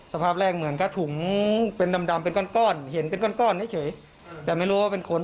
สภาพแรกมึงก็ถูงดำเห็นเป็นก้อนแต่ไม่รู้ว่าเป็นคน